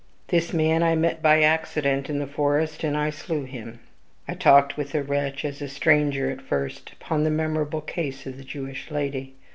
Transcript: This man I met by accident in the forest; and I slew him. I talked with the wretch, as a stranger at first, upon the memorable case of the Jewish lady.